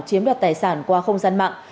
chiếm đoạt tài sản qua không gian mạng